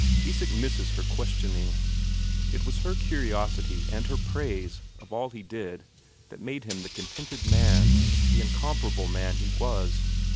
Isak misses her questioning; it was her curiosity and her praise of all he did that made him the contented man, the incomparable man he was.